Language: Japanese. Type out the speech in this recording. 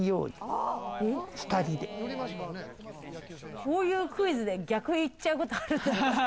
こういうクイズで逆言っちゃうことあるんだ。